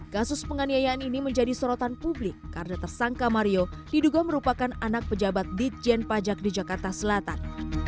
kasus penganiayaan ini menjadi sorotan publik karena tersangka mario diduga merupakan anak pejabat ditjen pajak di jakarta selatan